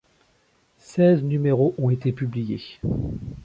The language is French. Seize numéros ont été publiés.